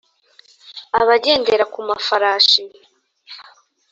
abagendera ku mafarashi